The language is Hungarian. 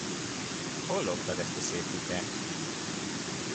Hol loptad ezt a szép kutyát?